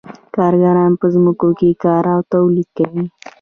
کارګران په ځمکو کې کار او تولید کوي